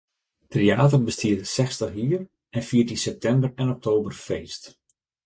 Tryater bestiet sechstich jier en fiert yn septimber en oktober feest.